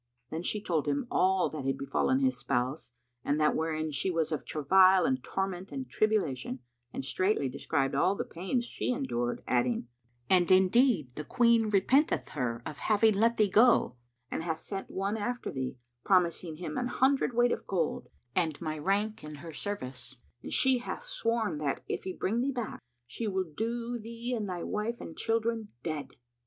Then she told him all that had befallen his spouse and that wherein she was of travail and torment and tribulation, and straitly described all the pains she endured adding, "And indeed the Queen repenteth her of having let thee go and hath sent one after thee, promising him an hundred weight of gold and my rank in her service; and she hath sworn that, if he bring thee back, she will do thee and thy wife and children dead."